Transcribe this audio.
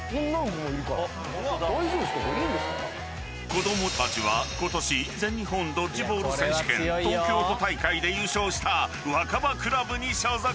［子供たちは今年全日本ドッジボール選手権東京都大会で優勝したＷＡＫＡＢＡ−ＣＬＵＢに所属］